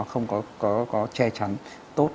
không có che chắn tốt